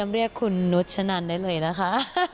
เรียกคุณนุชนันได้เลยนะคะ